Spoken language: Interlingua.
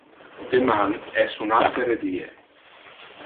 Deman es un altere die.